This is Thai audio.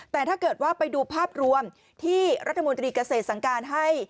แต่ถ้าเกิดว่าไปดูภาพรวมที่รัฐมนตรีเกษตรสั่งการให้